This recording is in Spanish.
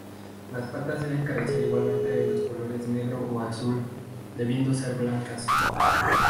Las patas deben carecer igualmente de los colores negro o azul, debiendo ser blancas.